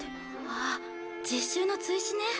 あっ実習の追試ね。